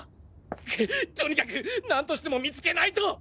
くっとにかく何としても見つけないと！